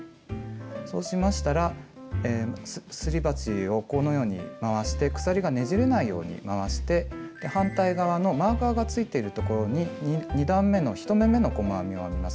そうしましたらすり鉢をこのように回して鎖がねじれないように回して反対側のマーカーがついているところに２段めの１目めの細編みを編みます。